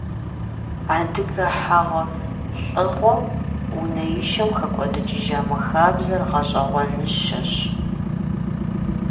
Адыгэ хьэгъуэлӀыгъуэм, унэишэм хэкӀуэдыкӀыжа мы хабзэр гъэщӀэгъуэныщэщ.